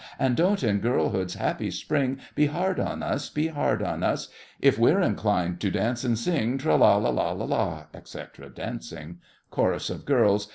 And don't, in girlhood's happy spring, Be hard on us, Be hard on us, If we're inclined to dance and sing. Tra la la, etc. (Dancing.) CHORUS OF GIRLS.